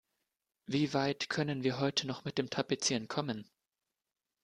Wie weit können wir heute noch mit dem Tapezieren kommen?